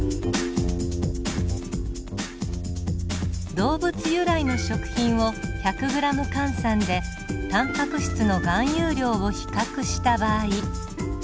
動物由来の食品を１００ｇ換算でタンパク質の含有量を比較した場合。